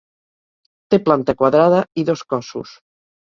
Té planta quadrada i dos cossos.